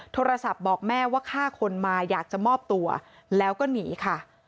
โทรศัพท์บอกแม่ว่าฆ่าคนมาอยากจะมอบตัวแล้วก็หนีค่ะ